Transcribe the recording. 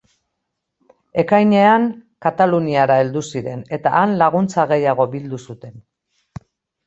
Ekainean Kataluniara heldu ziren eta han laguntza gehiago bildu zuten.